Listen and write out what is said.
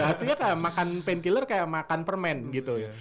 hasilnya kayak makan painkiller kayak makan permen gitu ya